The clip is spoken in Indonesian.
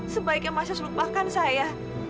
sebaiknya masya selupakan saya